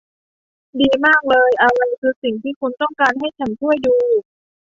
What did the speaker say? ดีมากเลย อะไรคือสิ่งที่คุณต้องการให้ฉันช่วยดู